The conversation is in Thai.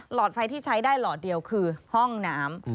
อดไฟที่ใช้ได้หลอดเดียวคือห้องน้ำ